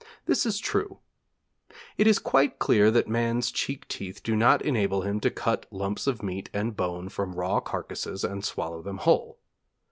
This is true.... It is quite clear that man's cheek teeth do not enable him to cut lumps of meat and bone from raw carcasses and swallow them whole.